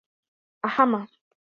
Aháma.